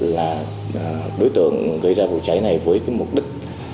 và đối tượng gây ra vụ chảy này với mục đích